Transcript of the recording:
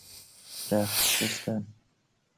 رخت شستن